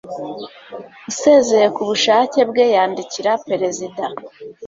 usezeye ku bushake bwe yandikira perezida